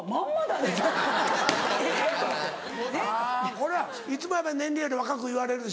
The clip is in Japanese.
これはいつもやっぱり年齢より若く言われるでしょ？